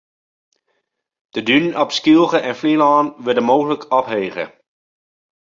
De dunen op Skylge en Flylân wurde mooglik ophege.